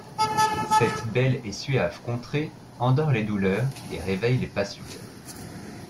Cette belle et suave contrée endort les douleurs et réveille les passions.